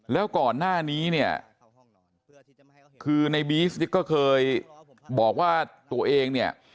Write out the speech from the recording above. แล้วก่อนหน้านี้เนี่ยคือในบีซเนี่ยก็เคยบอกว่าตัวเองเนี่ย